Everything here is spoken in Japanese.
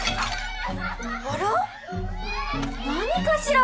あら何かしら？